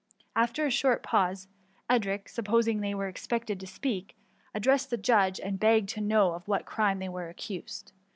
After a short pause, Edric, supposing they were expected to speak, addressed the judge, and begged to know of what crime they were ac ^ cused.